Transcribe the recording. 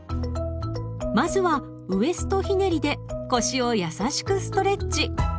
まずはウエストひねりで腰をやさしくストレッチ。